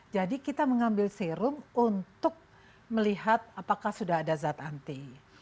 jadi kita mengambil serum untuk melihat apakah sudah ada zat anti